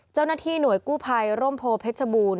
เจ้าหน้าที่หน่วยกู้ภัยร่มโพเพชรบูรณ